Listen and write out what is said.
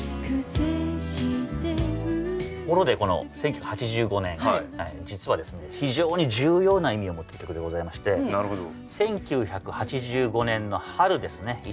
ところでこの１９８５年実はですね非常に重要な意味を持った曲でございまして１９８５年の春ですね。